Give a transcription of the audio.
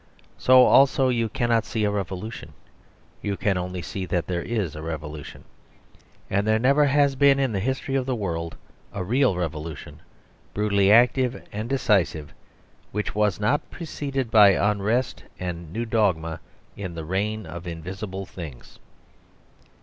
So, also, you cannot see a revolution; you can only see that there is a revolution. And there never has been in the history of the world a real revolution, brutally active and decisive, which was not preceded by unrest and new dogma in the reign of invisible things.